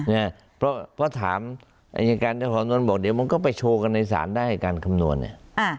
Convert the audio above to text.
เนี่ยเพราะเพราะถามอันยังไงกันเดี๋ยวก็ไปโชว์กันในศาลได้การคำนวณเนี่ยอ่า